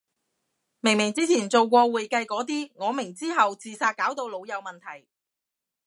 明明之前做過會計個啲，我明之後自殺搞到腦有問題